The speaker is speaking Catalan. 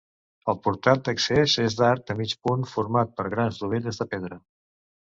El portat d'accés és d'arc de mig punt, format per grans dovelles de pedra.